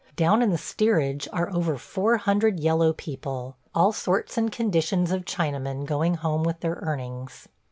Down in the steerage are over four hundred yellow people. ... All sorts and conditions of Chinamen going home with their earnings.